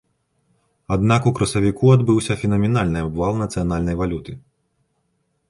Аднак у красавіку адбыўся фенаменальны абвал нацыянальнай валюты.